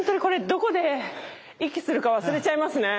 どこで息するか忘れちゃいますね。